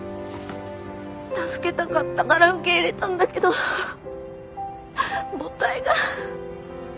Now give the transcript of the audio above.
助けたかったから受け入れたんだけど母体が。